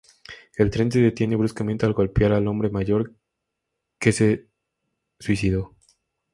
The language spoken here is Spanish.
El tren se detiene bruscamente al golpear al hombre mayor, que se suicidó.